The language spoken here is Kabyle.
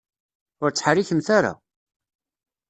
Ur ttḥerrikemt ara!